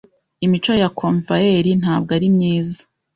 imico ya convoyeur,.ntabwo ari myiza